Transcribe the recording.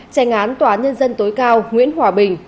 tranh án tòa nhân dân tối cao nguyễn hòa bình